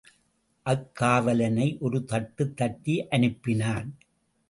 அக்காவலனை ஒரு தட்டு தட்டி அனுப்பினான்.